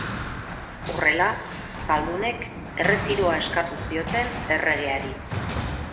Horrela, zaldunek erretiroa eskatu zioten erregeari.